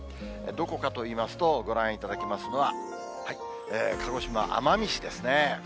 どこかといいますと、ご覧いただきますのは、鹿児島・奄美市ですね。